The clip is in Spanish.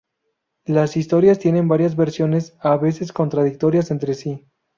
Las historias tienen varias versiones, a veces contradictorias entre sí.